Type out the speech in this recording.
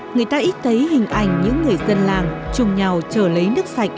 người ta ít thấy hình ảnh những người dân làng chung nhau trở lấy nước sạch